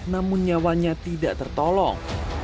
namun nyawanya tidak tertolong